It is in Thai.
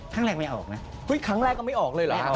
ครั้งแรกไม่ออกนะอุ๊ยครั้งแรกก็ไม่ออกเลยหรือครับ